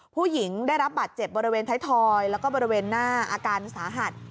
ผู้หญิงได้รับบาดเจ็บบริเวณไทยทอยแล้วก็บริเวณหน้าอาการสาหัส